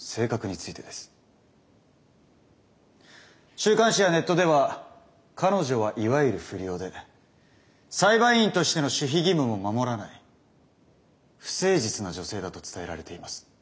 週刊誌やネットでは彼女はいわゆる不良で裁判員としての守秘義務も守らない不誠実な女性だと伝えられています。